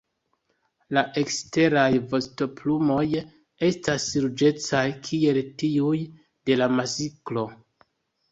La eksteraj vostoplumoj estas ruĝecaj kiel tiuj de la masklo.